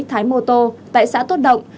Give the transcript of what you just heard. thái mô tô tại xã tốt động